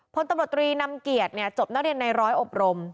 พลตำรตรีนำเกียจเนี่ยจบนอกเรียนในร้อยอบรม